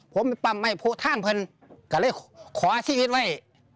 ผมไปปั๊มไม่พูดทางเพลินก็เลยขอชีวิตไว้